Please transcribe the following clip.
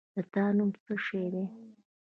د تا نوم څه شی ده؟